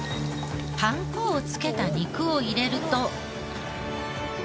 パン粉をつけた肉を入れると。